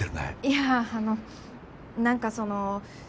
いやあの何かその。